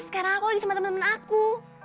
sekarang aku lagi sama teman teman aku